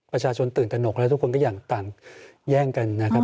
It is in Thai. ประชาชนตื่นตนกและทุกคนก็อยากต่างแย่งกันนะครับ